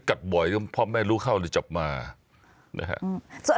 กัดบ่อยก็พ่อแม่รู้เข้าเลยจับมานะฮะ